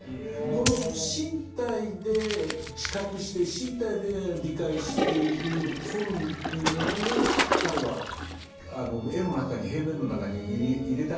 この身体で知覚して身体で理解しているフォルムというものを彼は絵の中に平面の中に入れたかったんでしょうね。